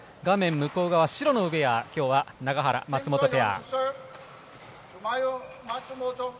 向こう側、白のウェアが今日は永原、松本ペア。